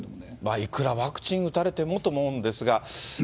いくらワクチンを打たれてもと思うんですが。